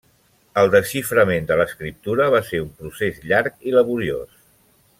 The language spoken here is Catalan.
El desxiframent de l'escriptura va ser un procés llarg i laboriós.